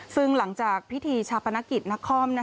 ซึ่งหลังจากพิธีชาปนกิจนคร